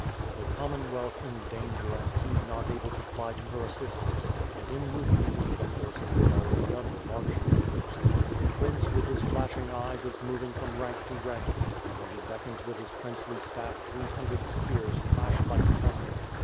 The Commonwealth in danger and he not able to fly to her assistance; and in Lubni, the forces were already under marching orders. The prince with his flashing eyes is moving from rank to rank and when he beckons with his princely staff three hundred spears clash like thunder.